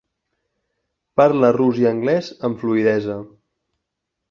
Parla rus i anglès amb fluïdesa.